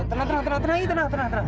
tenang tenang tenang